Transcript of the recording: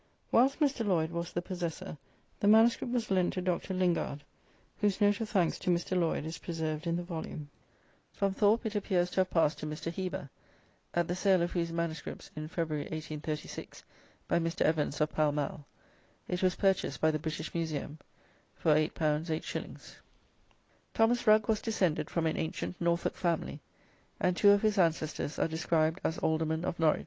Whilst Mr. Lloyd was the possessor, the MS. was lent to Dr. Lingard, whose note of thanks to Mr. Lloyd is preserved in the volume. From Thorpe it appears to have passed to Mr. Heber, at the sale of whose MSS. in Feb. 1836, by Mr. Evans, of Pall Mall, it was purchased by the British Museum for L8 8s. "Thomas Rugge was descended from an ancient Norfolk family, and two of his ancestors are described as Aldermen of Norwich.